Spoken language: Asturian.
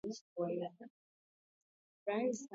Bono, la verdá ye que tovía nun viera a naide per nengún llau.